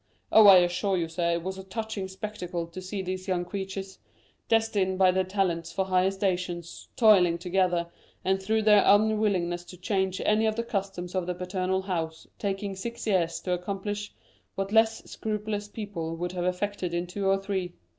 Oh, I assure you, sir, it was a touching spectacle to see these young creatures, destined by their talents for higher stations, toiling together, and through their unwillingness to change any of the customs of their paternal house, taking six years to accomplish what less scrupulous people would have effected in two or three.